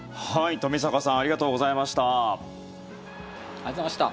冨坂さんありがとうございました。